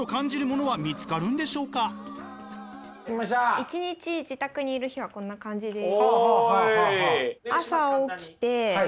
１日自宅にいる日はこんな感じです。